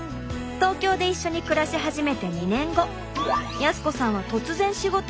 東京で一緒に暮らし始めて２年後靖子さんは突然仕事を辞め